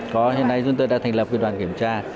có hiện nay chúng tôi đã thành lập cái đoàn kiểm tra